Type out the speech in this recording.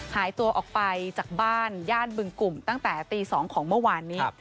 หายตัวออกไปจากบ้านย่านบึงกลุ่มตั้งแต่ตี๒ของเมื่อวานนี้